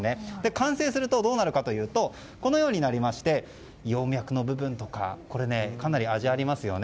完成するとどうなるかというとこのようになりまして葉脈の部分とか。かなり味がありますよね。